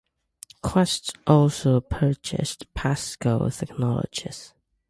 Quest also purchased PassGo Technologies.